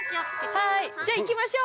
じゃあ行きましょう！